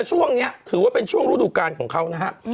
ช่วงนี้ถือว่าเป็นช่วงฤดูการของเขานะฮะ